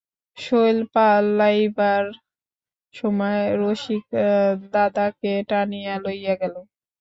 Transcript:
শৈল পালাইবার সময় রসিকদাদাকে টানিয়া লইয়া গেল।